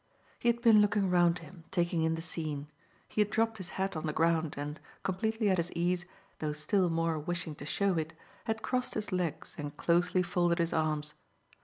He had been looking round him, taking in the scene; he had dropped his hat on the ground and, completely at his ease, though still more wishing to show it, had crossed his legs and closely folded his arms.